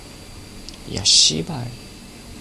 They renamed the area Marble Falls, the name it has today.